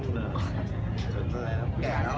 แม่กับผู้วิทยาลัย